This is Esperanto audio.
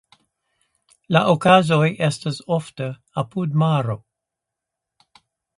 La okazoj estas ofte apud maro.